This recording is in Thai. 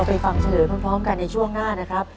เดี๋ยวเราไปฟังเฉลยพร้อมกันในช่วงหน้านะครับ